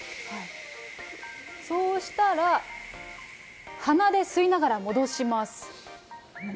そうしたら、鼻で吸いながら戻します。